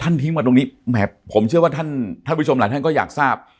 ทิ้งมาตรงนี้แหมผมเชื่อว่าท่านท่านผู้ชมหลายท่านก็อยากทราบ